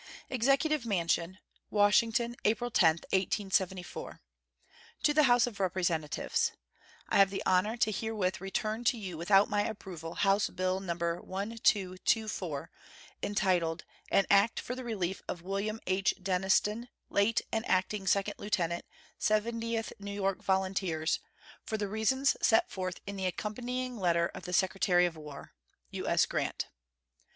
EXECUTIVE MANSION, Washington, April 10, 1874. To the House of Representatives: I have the honor to herewith return to you without my approval House bill No. 1224, entitled "An act for the relief of William H. Denniston, late an acting second lieutenant, Seventieth New York Volunteers," for the reasons set forth in the accompanying letter of the Secretary of War. U.S. GRANT.